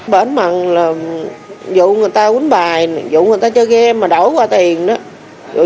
bển mặn là dụ người ta quýnh bài dụ người ta chơi game mà đổi qua tiền đó